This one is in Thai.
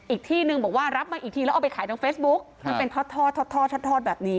อีกที่นึงบอกว่ารับมาอีกทีแล้วเอาไปขายทางเฟซบุ๊กมันเป็นทอดทอดแบบนี้